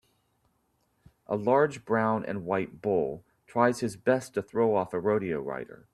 A large brown and white bull tries his best to throw off a rodeo rider.